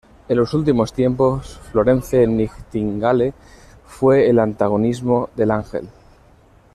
En los últimos tiempos, Florence Nightingale fue el antagonismo del ángel.